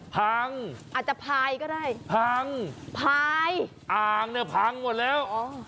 พังอาจจะพายก็ได้พังพายอ่างเนี่ยพังหมดแล้ว